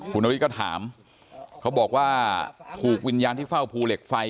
คุณนฤทธิก็ถามเขาบอกว่าถูกวิญญาณที่เฝ้าภูเหล็กไฟ